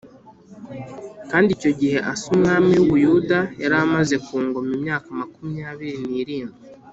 Kandi icyo gihe Asa umwami w’i Buyuda yari amaze ku ngoma imyaka makumyabiri n’irindwi